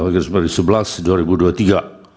garis miring l garis miring sebelas dua ribu dua puluh tiga